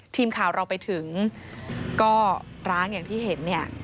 ทีมข่าวเราไปถึงก็ร้างอย่างที่เห็นเนี่ย